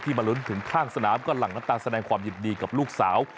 มาลุ้นถึงข้างสนามก็หลั่งน้ำตาแสดงความยินดีกับลูกสาว